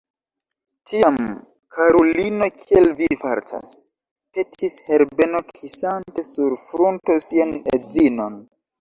Tiam, karulino, kiel vi fartas? petis Herbeno, kisante sur frunto sian edzinon.